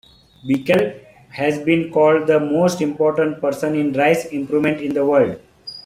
Beachell has been called the most important person in rice improvement in the world.